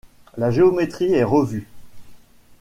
La géométrie est revue.